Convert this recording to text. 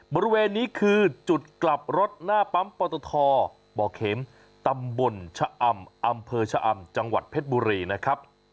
บริเวณนี้คือจุดกลับรถหน้าปั๊มปตทบ่อเข็มตำบลชะอำอำเภอชะอำจังหวัดเพชรบุรีนะครับ